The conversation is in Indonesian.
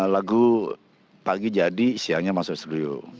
lagu pagi jadi siangnya masuk studio